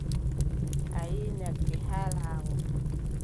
A yiʼi nagge haa laawol.